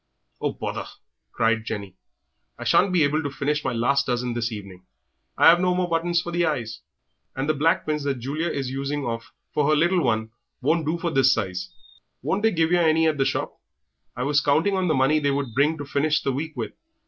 "Oh, bother!" cried Jenny, "I shan't be able to finish my last dozen this evening. I 'ave no more buttons for the eyes, and the black pins that Julia is a using of for her little one won't do for this size." "Won't they give yer any at the shop? I was counting on the money they would bring to finish the week with."